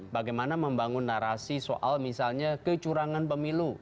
bagaimana membangun narasi soal misalnya kecurangan pemilu